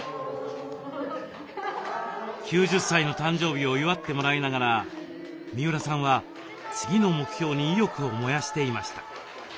９０歳の誕生日を祝ってもらいながら三浦さんは次の目標に意欲を燃やしていました。